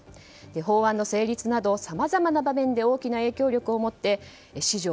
法案の成立などさまざまな場面で大きな影響力を持って史上